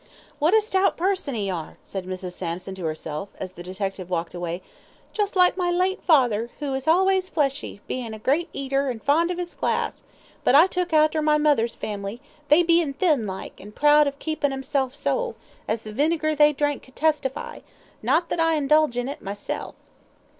"What a stout person 'e are," said Mrs. Sampson to herself, as the detective walked away, "just like my late father, who was allays fleshy, bein' a great eater, and fond of 'is glass, but I took arter my mother's family, they bein' thin like, and proud of keeping 'emselves so, as the vinegar they drank could testify, not that I indulge in it myself."